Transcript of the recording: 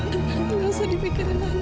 tidak usah dipikirkan lagi ya